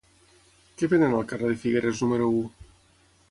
Què venen al carrer de Figueres número u?